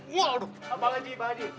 bang haji bang haji